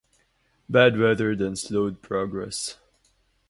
Bad weather then slowed progress.